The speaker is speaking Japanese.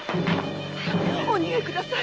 お逃げください